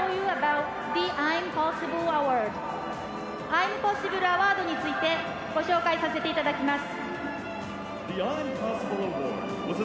アイムポッシブル・アワードについてご紹介させていただきます。